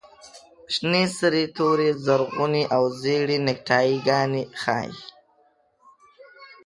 شنې، سرې، تورې، زرغونې او زېړې نیکټایي ګانې ښیي.